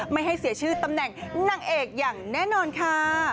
ไม่ให้เสียชื่อตำแหน่งนางเอกอย่างแน่นอนค่ะ